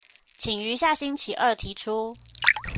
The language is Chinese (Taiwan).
請於下星期二提出